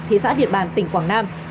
thị xã điện bàn tỉnh quảng nam